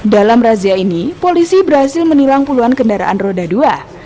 dalam razia ini polisi berhasil menilang puluhan kendaraan roda dua